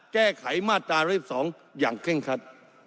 แก้ไขมาตรา๑๒อย่างเคร่งคัด